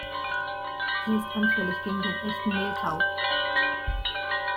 Sie ist anfällig gegen den Echten Mehltau.